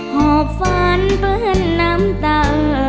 หอบฟ้านเปิ้ลน้ำตา